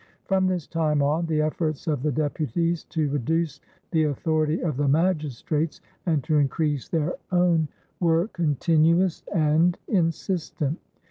From this time on, the efforts of the deputies to reduce the authority of the magistrates and to increase their own were continuous and insistent.